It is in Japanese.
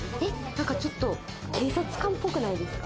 ちょっと警察官っぽくないですか？